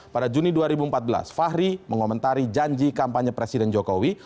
pada juni dua ribu empat belas fahri mengomentari janji kampanye presiden jokowi